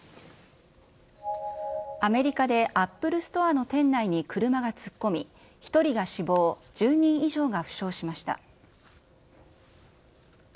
アメリカでアップルストアの店内に車が突っ込み、１人が死亡、１０人以上が負傷しました。